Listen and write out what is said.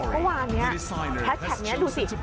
เมื่อวานนี้แฮชแท็กนี้ดูสิ